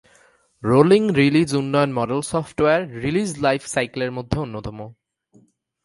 Rolling release উন্নয়ন model software release life সাইকেলের মধ্যে অন্যতম।